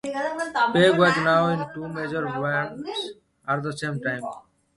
Pegg was now in two major bands at the same time.